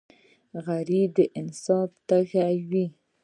غریب د انصاف تږی وي